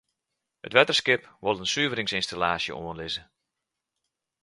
It wetterskip wol in suveringsynstallaasje oanlizze.